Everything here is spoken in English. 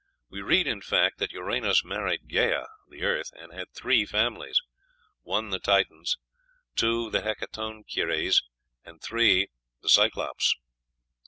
We read, in fact, that Uranos married Gæa (the earth), and had three families: 1, the Titans; 2, the Hekatoncheires; and 3, the Kyklopes.